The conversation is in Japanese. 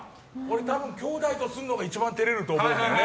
多分、姉弟とするのが一番照れると思うんだよね。